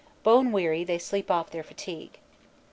Bone weary, they sleep off their fatigue.